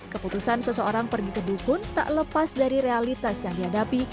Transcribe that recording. keputusan seseorang pergi ke dukun tak lepas dari realitas yang dihadapi